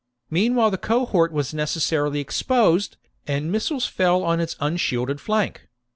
Meanwhile the cohort was necessarily exposed, and missiles fell on its unshielded flank.